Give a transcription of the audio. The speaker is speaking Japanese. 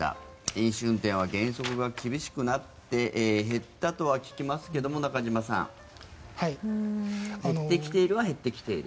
飲酒運転は罰則が厳しくなって減ったとは聞きますが中島さん減ってきているは減ってきている。